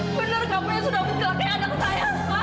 benar kamu yang sudah menjelami anak saya